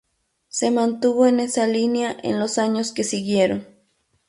Se mantuvo en esa línea en los años que siguieron.